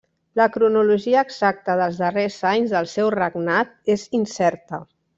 La cronologia exacta dels darrers anys del seu regnat és incerta.